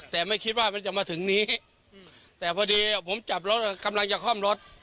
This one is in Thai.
แต่ไม่คิดว่ามันจะมาถึงนี้แต่พอดีผมจับรถกำลังจะคล่อมรถ